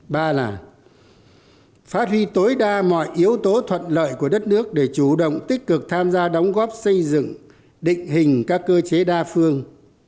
ba là phát huy tối đa mọi yếu tố thuận lợi của đất nước để chủ động tích cực tham gia đóng góp xây dựng định hình các cơ chế đa phương